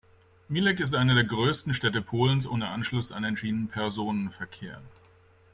Mielec ist eine der größten Städte Polens ohne Anschluss an den Schienenpersonenverkehr.